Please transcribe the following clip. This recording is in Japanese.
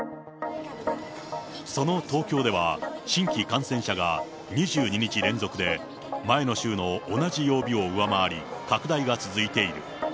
その東京では新規感染者が２２日連続で、前の週の同じ曜日を上回り、拡大が続いている。